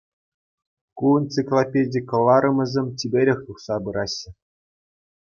Ку энциклопеди кӑларӑмӗсем чиперех тухса пыраҫҫӗ.